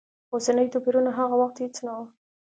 اوسني توپیرونه هغه وخت هېڅ نه و.